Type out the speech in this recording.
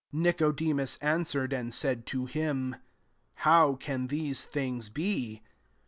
* 9 Nicodemus answered, and said to him, " How can tiiese things be